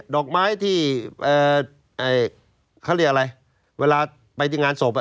ดอกไม้ที่เขาเรียกอะไรเวลาไปที่งานศพ